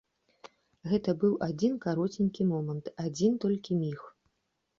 Гэта быў адзін кароценькі момант, адзін толькі міг.